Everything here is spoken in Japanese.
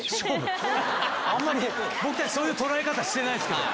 あんまり僕たちそういう捉え方してないですけど。